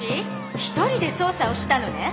一人で捜査をしたのね？